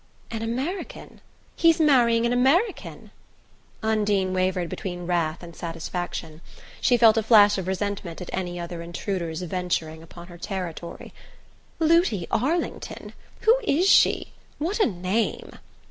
"An American? He's marrying an American?" Undine wavered between wrath and satisfaction. She felt a flash of resentment at any other intruder's venturing upon her territory ("Looty Arlington? Who is she? What a name!")